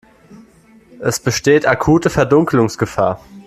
Es besteht akute Verdunkelungsgefahr.